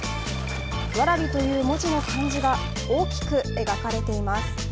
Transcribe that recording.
蕨という文字の漢字が大きく描かれています。